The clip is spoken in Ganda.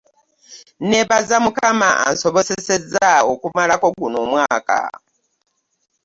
Nebaza mukama ansobozesezza okumalako guno omwaka.